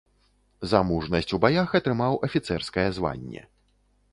За мужнасць у баях атрымаў афіцэрскае званне.